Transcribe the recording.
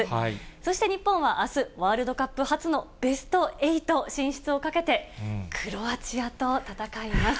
そして日本はあす、ワールドカップ初のベスト８進出を懸けて、クロアチアと戦います。